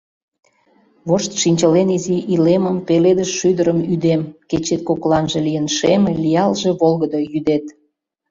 Вошт чинчылен изи илемым, Пеледыш шӱдырым ӱдем — Кечет кокланже лийын шеме, Лиялже волгыдо йӱдет.